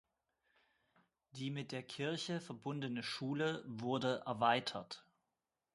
Die mit der Kirche verbundene Schule wurde erweitert.